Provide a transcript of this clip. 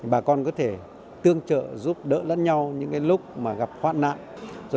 bà con có thể tương trợ giúp đỡ lẫn nhau những lúc mà gặp hoạn nạn